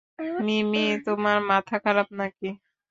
মিমি, তোমার মাথা খারাপ নাকি?